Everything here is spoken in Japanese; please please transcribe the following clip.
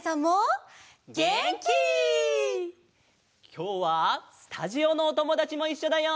きょうはスタジオのおともだちもいっしょだよ！